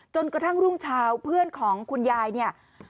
จนกระทั่งรุ่งเช้าเพื่อนของคุณยายเนี่ย